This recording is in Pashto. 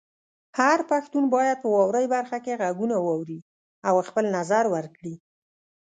هر پښتون باید په "واورئ" برخه کې غږونه واوري او خپل نظر ورکړي.